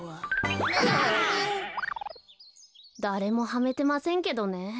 だれもハメてませんけどね。